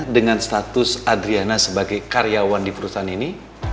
dengan status adriana sebagai karyawan di perusahaan ini